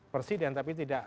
presiden tapi tidak